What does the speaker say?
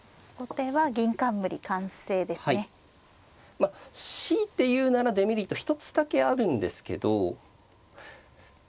まあしいて言うならデメリット一つだけあるんですけど。